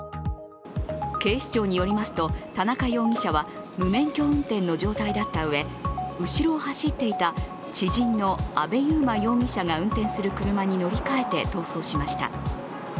警視庁によりますと田中容疑者は無免許運転の状態だったうえ後ろを走っていた知人の阿部悠真容疑者が運転する車に乗り換えて逃走しました。